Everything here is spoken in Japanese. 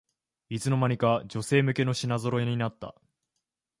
いつの間にか女性向けの品ぞろえになった